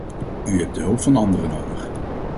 U hebt de hulp van anderen nodig.